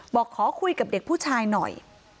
บอกขอคุยกับเด็กผู้ชายหน่อย